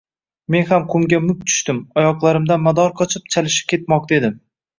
Men ham qumga muk tushdim, oyoqlarimdan mador qochib, chalishib ketmoqda edim.